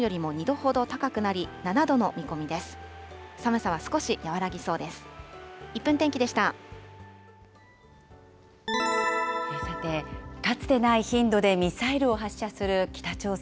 さて、かつてない頻度でミサイルを発射する北朝鮮。